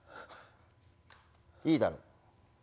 いいだろう。